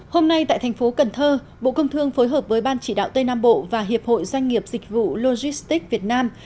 hôm nay tại thành phố cần thơ bộ công thương phối hợp với ban chỉ đạo tây nam bộ và hiệp hội doanh nghiệp dịch vụ logistics việt nam